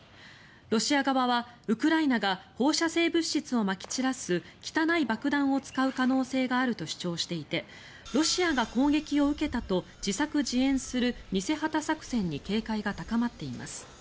ロシア側はウクライナが放射性物質をまき散らす汚い爆弾を使う可能性があると主張していてロシアが攻撃を受けたと自作自演する偽旗作戦に警戒が高まっています。